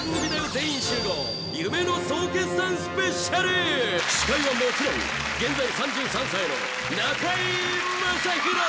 全員集合」「夢の総決算スペシャル」・司会はもちろん現在３３歳の中居正広！